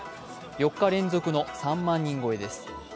４日連続の３万人超えです。